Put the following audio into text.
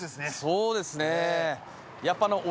そうですね。